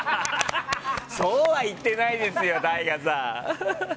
そうは言ってないですよＴＡＩＧＡさん。